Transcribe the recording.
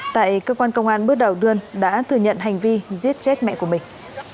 tại cơ quan công an bước đầu đưaơn đã thừa nhận hành vi giết chết mẹ của mình